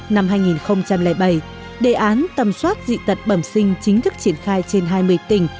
năm hai nghìn bảy đề án tầm soát dị tật bẩm sinh chính thức triển khai trên hai mươi tỉnh